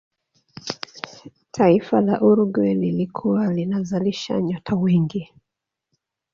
taifa la uruguay lilikuwa linazalisha nyota wengi